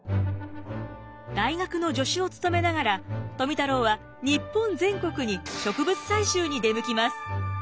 大学の助手を務めながら富太郎は日本全国に植物採集に出向きます。